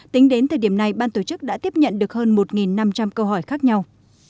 tính đến thời điểm này ban tổ chức đã tiếp nhận được hơn một năm trăm linh câu hỏi khác nhau